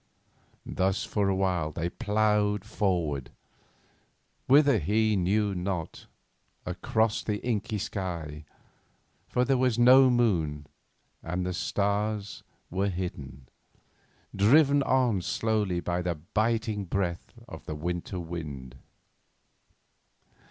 Thus, for a while they ploughed forward—whither he knew not, across the inky sea, for there was no moon, and the stars were hidden, driven on slowly by the biting breath of the winter wind.